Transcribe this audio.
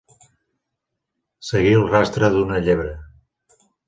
Seguir el rastre d'una llebre.